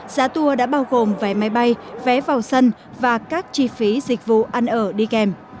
giá tour đã bao gồm vé máy bay vé vào sân và các chi phí dịch vụ ăn ở đi kèm